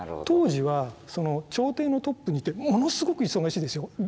当時は朝廷のトップにいてものすごく忙しいですよ